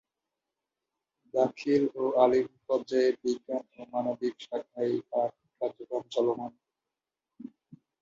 দাখিল ও আলিম পর্যায়ে বিজ্ঞান ও মানবিক শাখায় পাঠ কার্যক্রম চলমান।